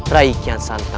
rai kian santa